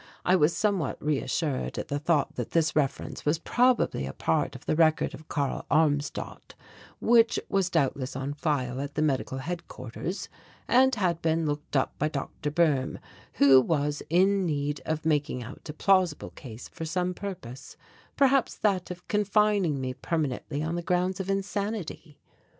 I was somewhat reassured at the thought that this reference was probably a part of the record of Karl Armstadt, which was doubtless on file at the medical headquarters, and had been looked up by Dr. Boehm who was in need of making out a plausible case for some purpose perhaps that of confining me permanently on the grounds of insanity.